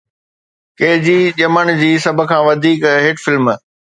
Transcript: K جي ڄمڻ جي سڀ کان وڌيڪ هٽ فلم